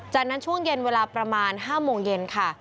จากนั้นช่วงเย็นเวลาประมาณ๕โมงเย็นค่ะ